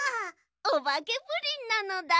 おばけプリンなのだ。